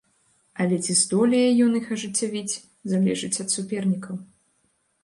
Але ці здолее ён іх ажыццявіць, залежыць ад супернікаў.